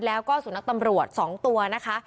แล้วก็สุนัขตำรวจ๒ตัวนะคะ